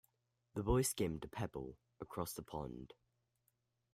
The boy skimmed a pebble across the pond.